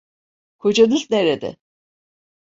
Kocanız nerede?